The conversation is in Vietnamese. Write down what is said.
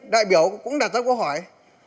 đại biểu cũng đặt ra câu hỏi